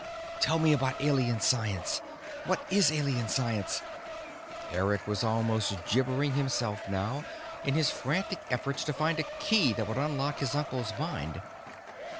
"Tell me about Alien science. What is Alien science?" Eric was almost gibbering himself now in his frantic efforts to find a key that would unlock his uncle's mind.